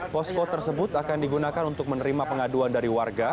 posko tersebut akan digunakan untuk menerima pengaduan dari warga